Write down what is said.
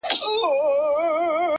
نن به زه هم يا مُلا يا به کوټوال واى!.